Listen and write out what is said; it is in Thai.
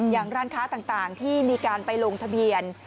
อย่างร้านค้าต่างที่มีการไปลงทะเบียน